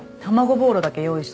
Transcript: ボーロだけ用意し